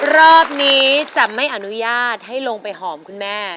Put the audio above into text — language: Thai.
รอบนี้จะไม่อนุญาตให้ลงไปหอมคุณแม่